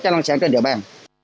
cho năng sản trên địa bàn